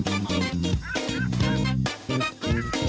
โอ้โหโอ้โห